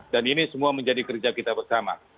ini semua menjadi kerja kita bersama